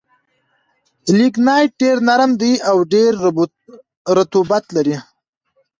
لېګنایټ ډېر نرم دي او ډېر رطوبت لري.